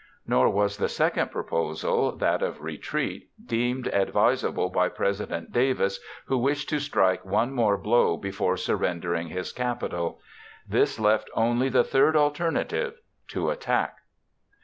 Nor was the second proposal, that of retreat, deemed advisable by President Davis who wished to strike one more blow before surrendering his capital. This left only the third alternative—to attack.